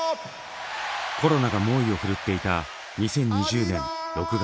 コロナが猛威を振るっていた２０２０年６月。